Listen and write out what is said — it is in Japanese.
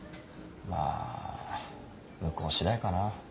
まぁ向こう次第かな。